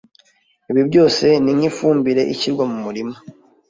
Ibi byose ni nk’ifumbire ishyirwa mu murima